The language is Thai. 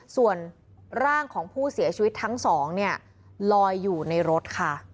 ส่วนร่างของผู้เสียชีวิตทั้งสองเนี่ยลอยอยู่ในรถค่ะ